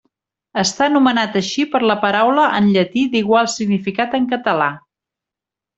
Està nomenat així per la paraula en llatí d'igual significat en català.